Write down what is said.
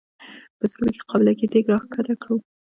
په سروبي کې قابلي دیګ راښکته کړو.